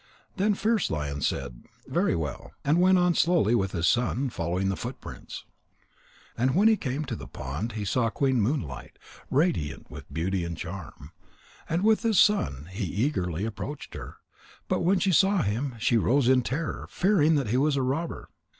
Then Fierce lion said "Very well," and went on slowly with his son, following the footprints. And when he came to the pond, he saw Queen Moonlight, radiant with beauty and charm. And with his son he eagerly approached her. But when she saw him, she rose in terror, fearing that he was a robber.